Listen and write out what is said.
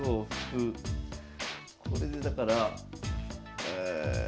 これでだからえ。